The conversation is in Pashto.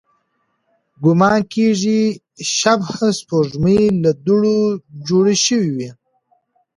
ګومان کېږي، شبح سپوږمۍ له دوړو جوړې شوې وي.